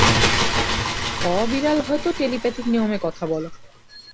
খ বিড়াল হয়তো টেলিপ্যাথিক নিয়মে কথা বলে!